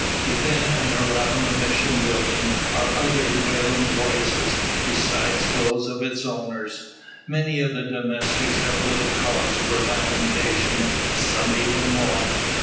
Within and around the Mission building are other wailing voices, besides those of its owners. Many of the domestics have like cause for lamentation, some even more.